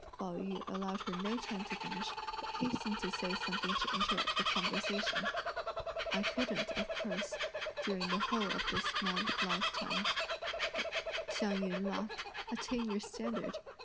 Pao yü allowed her no time to finish, but hastened to say something to interrupt the conversation. "I couldn't, of course, during the whole of this my lifetime," Hsiang yün laughed, "attain your standard!